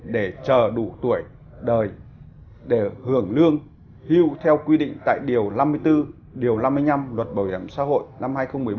để chờ đủ tuổi đời để hưởng lương hưu theo quy định tại điều năm mươi bốn điều năm mươi năm luật bảo hiểm xã hội năm hai nghìn một mươi bốn